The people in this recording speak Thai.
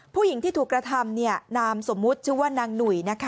ผู้หญิงที่ถูกกระทำนามสมมุติชื่อว่านางหนุ่ยนะคะ